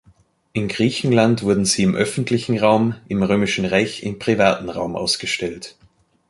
In Griechenland wurden sie im öffentlichen Raum, im römischen Reich im privaten Raum ausgestellt.